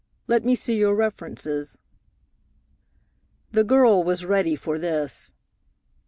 Let me see your references." The girl was ready for this.